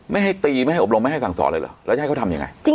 ไม่ให้ตีไม่ให้อบรมไม่ให้สั่งสอนเลยเหรอแล้วจะให้เขาทำยังไง